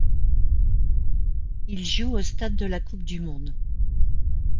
Il joue au Stade de la Coupe du monde.